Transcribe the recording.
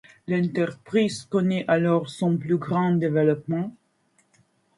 L'entreprise connaît alors son plus grand développement.